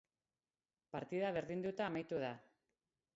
Partida berdinduta amaitu da.